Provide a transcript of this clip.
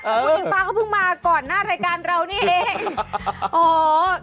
คุณอิงฟ้าเขาเพิ่งมาก่อนหน้ารายการเรานี่เอง